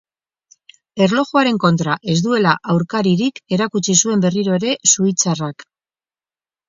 Erlojuaren kontra ez duela aurkaririk erakutsi zuen berriro ere suitzarrak.